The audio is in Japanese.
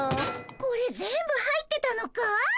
これ全部入ってたのかい？